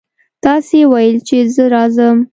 تاسې ویل چې زه راځم.